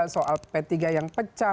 soal p tiga yang pecah